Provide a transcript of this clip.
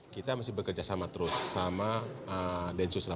kita masih bekerja sama terus sama densus delapan puluh